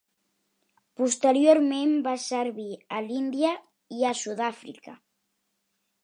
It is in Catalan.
Posteriorment va servir a l'Índia i a Sud-àfrica.